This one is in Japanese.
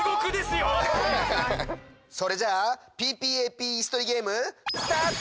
それじゃあＰＰＡＰイスとりゲームスタート！